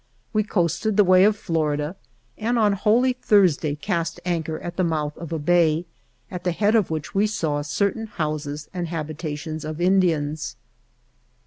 3 We coasted the way of Florida, and on Holy Thursday cast an chor at the mouth of a bay, at the head of which we saw certain houses and habita tions of Indians.